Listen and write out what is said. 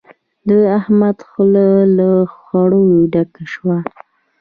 د احمد خوله له خاورو ډکه شوه.